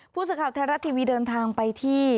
ผู้สื่อข่าวไทยรัฐทีวีเดินทางไปที่